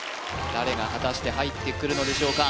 誰が果たして入ってくるのでしょうか？